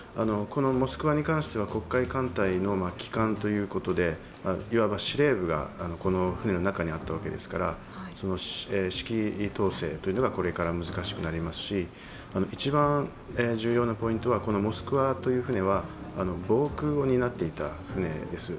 「モスクワ」に関しては黒海艦隊の旗艦ということでいわば司令部がこの船の中にあったわけですが指揮統制というのがこれから難しくなりますし、１番重要なポイントはこの「モスクワ」という船は防空を担っていた船です。